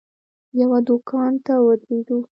یوه دوکان ته ودرېدو.